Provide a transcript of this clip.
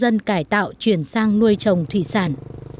diêm dân cải tạo chuyển sang nuôi chồng thủy sản